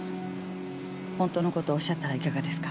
本当の事をおっしゃったらいかがですか。